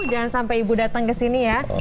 jangan sampai ibu datang ke sini ya